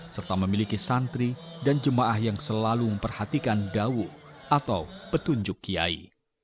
serta memiliki santri dan jemaah yang selalu memperhatikan dawu atau petunjuk kiai